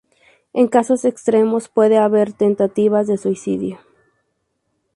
En casos extremos puede haber tentativas de suicidio.